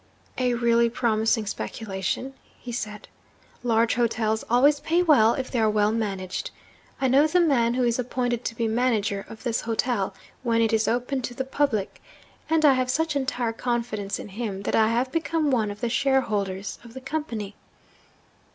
'A really promising speculation,' he said. 'Large hotels always pay well, if they are well managed. I know the man who is appointed to be manager of this hotel when it is opened to the public; and I have such entire confidence in him that I have become one of the shareholders of the Company.'